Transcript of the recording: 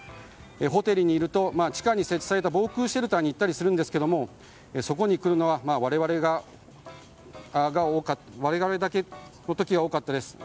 ホテルにいると地下に設置された防空シェルターに行ったりするんですがそこに来るのは我々だけの時が多かったです。